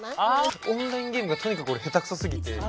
オンラインゲームがとにかく俺下手くそすぎて。